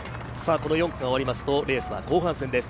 この４区が終わりますとレースは後半戦です。